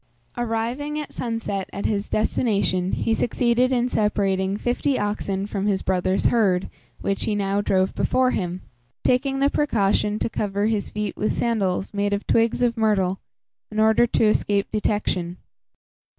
Arriving at sunset at his destination, he succeeded in separating fifty oxen from his brother's herd, which he now drove before him, taking the precaution to cover his feet with sandals made of twigs of myrtle, in order to escape detection.